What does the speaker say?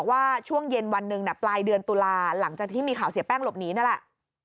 ว่าช่วงเย็นวันหนึ่งปลายเดือนตุลาหลังจากที่มีข่าวเสียแป้งหลบหนีนั่นแหละ